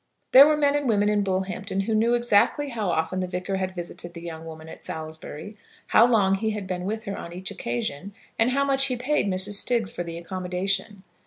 There were men and women in Bullhampton who knew exactly how often the Vicar had visited the young woman at Salisbury, how long he had been with her on each occasion, and how much he paid Mrs. Stiggs for the accommodation.